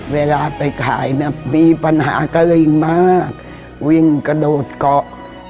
เวลาไปขายนะมีปัญหาเกินมากวิ่งกระโดดเกาะ